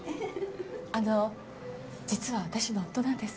あの実は私の夫なんです。